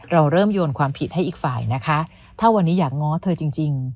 เราเริ่มโยนความผิดให้อีกฝ่ายนะคะถ้าวันนี้อยากง้อเธอจริงจริง